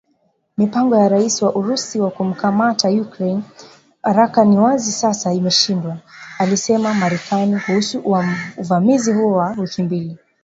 "Mipango ya Rais wa Urusi wa kuikamata Ukraine haraka ni wazi sasa imeshindwa", alisema Marekani kuhusu uvamizi huo wa wiki mbili